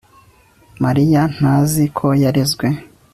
Mariya ntazi ko yarezwe